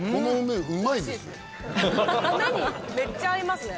米にめっちゃ合いますね。